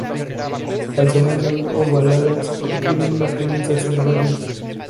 Las hojas son obovadas y tienen márgenes aserrados.